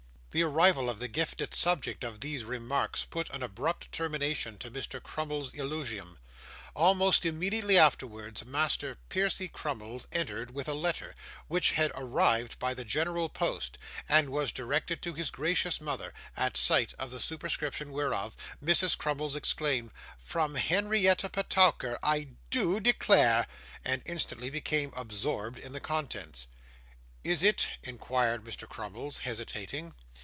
The arrival of the gifted subject of these remarks put an abrupt termination to Mr. Crummles's eulogium. Almost immediately afterwards, Master Percy Crummles entered with a letter, which had arrived by the General Post, and was directed to his gracious mother; at sight of the superscription whereof, Mrs. Crummles exclaimed, 'From Henrietta Petowker, I do declare!' and instantly became absorbed in the contents. 'Is it ?' inquired Mr. Crummles, hesitating.